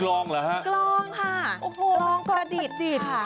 กลองค่ะกลองกระดิษฐ์ค่ะ